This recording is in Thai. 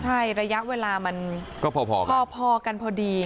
ใช่ระยะเวลามันก็พอกันพอดี